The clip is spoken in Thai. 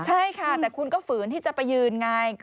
ใช่ค่ะแต่คุณก็ฝืนที่จะไปยืนไง